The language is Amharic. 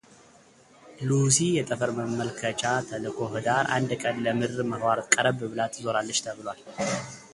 ሉሲ የጠፈር መመልከቻ ተልእኮ ህዳር አንድ ቀን ለምድር ምህዋር ቀረብ ብላ ትዞራለች ተብሏል፡፡